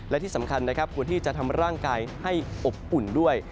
และที่สำคัญนะครับควรที่จะทำร่างกายให้อบอุ่นด้วย